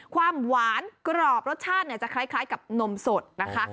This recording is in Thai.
ความหวานกรอบรสชาติจะคล้ายกับนมสดนะคะ